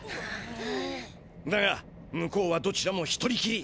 だが向こうはどちらも一人きり。